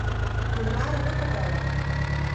لمر مه پټوه.